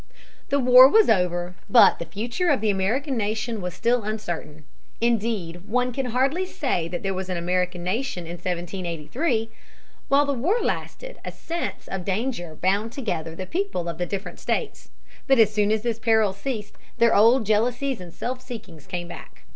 The war was over. But the future of the American nation was still uncertain. Indeed, one can hardly say that there was an American nation in 1783. While the war lasted, a sense of danger bound together the people of the different states. But as soon as this peril ceased, their old jealousies and self seekings came back.